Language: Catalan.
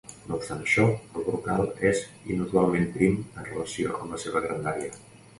No obstant això, el brocal és inusualment prim en relació amb la seva grandària.